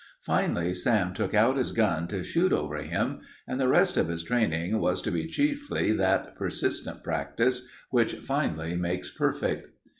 Finally Sam took out his gun to shoot over him, and the rest of his training was to be chiefly that persistent practice which finally makes perfect.